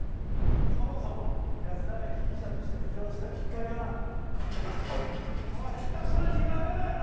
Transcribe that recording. そもそも安田が被疑者として浮上したきっかけはこの下っ手クソな似顔絵だよな！